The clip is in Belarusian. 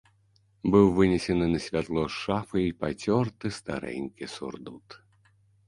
Быў вынесены на святло з шафы і пацёрты старэнькі сурдут.